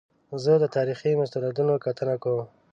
زه د تاریخي مستندونو کتنه کوم.